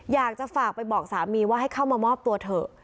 อยากจะฝากไปบอกสามีว่าให้เข้ามามอบตัวเถอะ